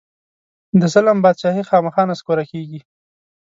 د ظلم بادچاهي خامخا نسکوره کېږي.